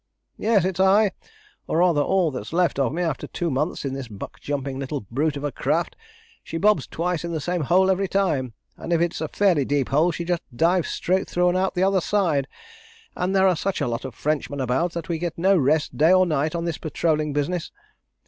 "Yes, it's I, or rather all that's left of me after two months in this buck jumping little brute of a craft. She bobs twice in the same hole every time, and if it's a fairly deep hole she just dives right through and out on the other side; and there are such a lot of Frenchmen about that we get no rest day or night on this patrolling business."